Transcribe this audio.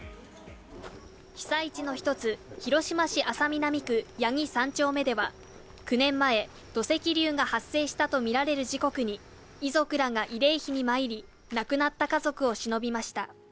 被災地の一つ、広島市安佐南区八木３丁目では、９年前、土石流が発生したと見られる時刻に、遺族らが慰霊碑に参り、亡くなった家族をしのびました。